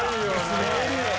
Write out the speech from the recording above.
すごいよな！